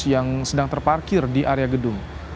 yang sedang terparkir di area gedung